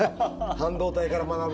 半導体から学ぶ？